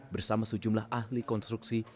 bersama sejumlah ahli konstruksi